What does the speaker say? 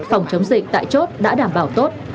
phòng chống dịch tại chốt đã đảm bảo tốt